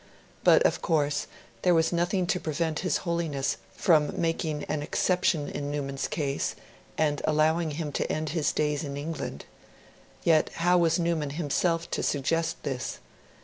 But, of course, there was nothing to prevent His Holiness from making an exception in Newman's case, and allowing him to end his days in England. Yet how was Newman himself to suggest this?